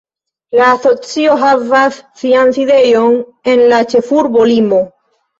La asocio havas sian sidejon en la ĉefurbo Limo.